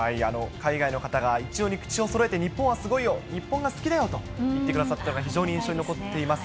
海外の方が一様に口をそろえて日本はすごいよ、日本が好きだよと言ってくださったのが非常に印象に残っています。